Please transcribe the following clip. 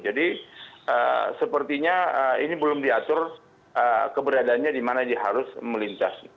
jadi sepertinya ini belum diatur keberadaannya di mana dia harus melintas